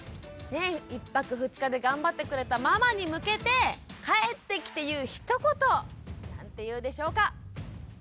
１泊２日で頑張ってくれたママに向けて帰ってきて言うひと言何て言うでしょうか？